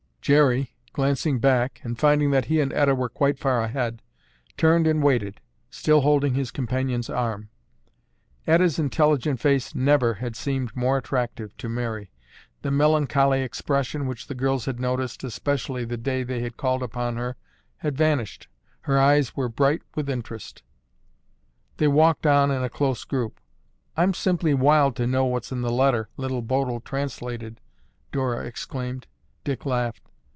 Jerry, glancing back, and finding that he and Etta were quite far ahead, turned and waited, still holding his companion's arm. Etta's intelligent face never had seemed more attractive to Mary. The melancholy expression, which the girls had noticed, especially, the day they had called upon her, had vanished. Her eyes were bright with interest. They walked on in a close group. "I'm simply wild to know what's in the letter Little Bodil translated," Dora exclaimed. Dick laughed.